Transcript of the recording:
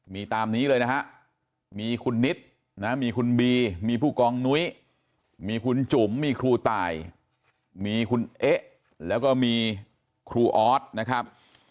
มีตามนี้เลยนะฮะมีคุณนิดนะมีคุณบีมีผู้กองนุ้ยมีคุณจุ๋มมีครูตายมีคุณเอ๊ะแล้วก็มีครูออสนะครับ